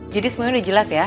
jadi semuanya udah jelas ya